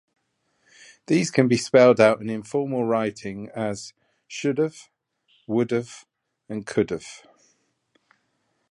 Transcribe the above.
These can be spelled out in informal writing as "should've", "would've", and "could've".